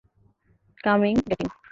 Coming, getting.